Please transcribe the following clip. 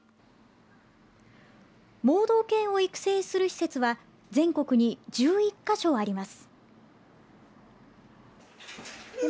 盲導犬を育成する施設は全国に１１か所あります。